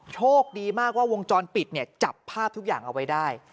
โชคดีมากว่าวงจรปิดเนี่ยจับภาพทุกอย่างเอาไว้ได้